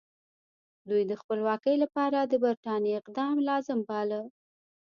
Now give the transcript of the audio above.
دوی د خپلواکۍ لپاره د برټانیې اقدام لازم باله.